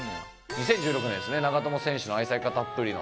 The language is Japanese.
２０１６年ですね長友選手の愛妻家たっぷりの。